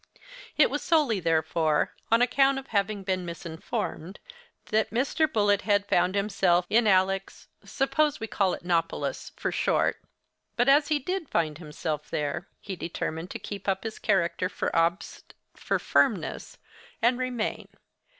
It was solely, therefore, on account of having been misinformed, that Mr. Bullet head found himself in Alex—— suppose we call it Nopolis, 'for short'—but, as he did find himself there, he determined to keep up his character for obst—for firmness, and remain.